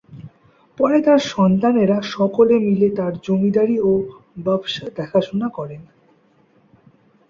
পরে তার সন্তানেরা সকলে মিলে তার জমিদারী ও ব্যবসা দেখাশুনা করেন।